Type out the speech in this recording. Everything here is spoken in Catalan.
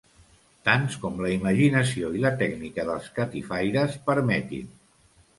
Tants com la imaginació i la tècnica dels catifaires permetin.